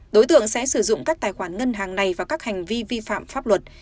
đối tượng sẽ sử dụng các tài khoản ngân hàng này vào các hành vi vi phạm pháp luật